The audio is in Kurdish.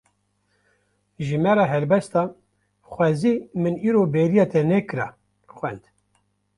Ji me re helbesta "Xwezî min îro bêriya te nekira" xwend